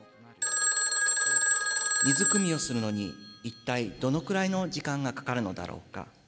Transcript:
水くみをするのに一体どのくらいの時間がかかるのだろうか。